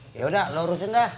ya udah lu urusin dah